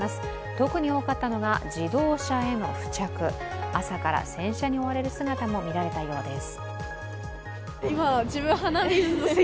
特に多かったのが、自動車への付着朝から洗車に追われる姿も見られたようです。